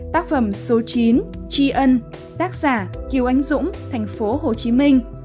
tác phẩm số chín chi ân tác giả kiều ánh dũng tp hcm